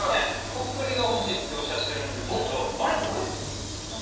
徳利が欲しいっておっしゃってるんですけど。